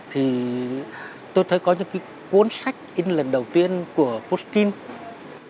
thì tôi thấy có những cái cuốn sách in lần đầu tiên của postkin